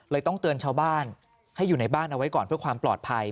ต้องเตือนชาวบ้านให้อยู่ในบ้านเอาไว้ก่อนเพื่อความปลอดภัย